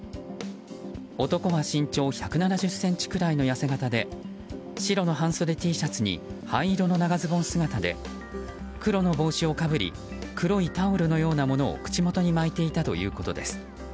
男は身長１７０ｃｍぐらいの痩せ形で白の半袖Ｔシャツに灰色の長ズボン姿で黒の帽子をかぶり黒いタオルのようなものを口元に巻いていたということです。